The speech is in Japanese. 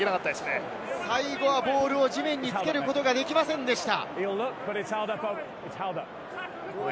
ボールを地面につけることができませんでした。